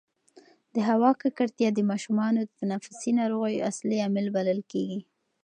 د هوا ککړتیا د ماشومانو د تنفسي ناروغیو اصلي عامل بلل کېږي.